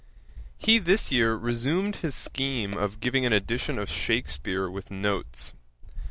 Ætat 47.] He this year resumed his scheme of giving an edition of Shakspeare with notes.